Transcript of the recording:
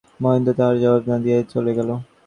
মহেন্দ্র তাহার জবাব না দিয়াই চলিয়া গেল।